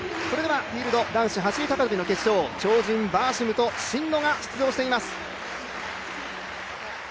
フィールド、男子走高跳の決勝、超人バーシムと真野が出場しています。